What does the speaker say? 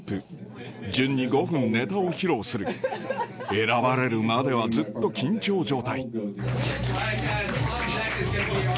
選ばれるまではずっと緊張状態